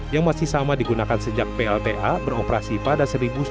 yang masih sama digunakan sejak plta beroperasi pada seribu sembilan ratus sembilan puluh